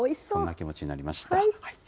そんな気持ちになりました。